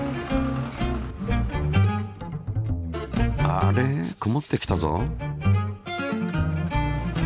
あれくもってきたぞ。